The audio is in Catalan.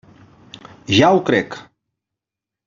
Ja ho crec.